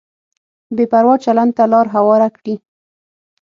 بې پروا چلند ته لار هواره کړي.